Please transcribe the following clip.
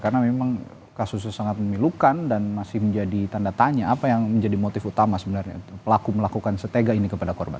karena memang kasusnya sangat memilukan dan masih menjadi tanda tanya apa yang menjadi motif utama sebenarnya pelaku melakukan setega ini kepada korban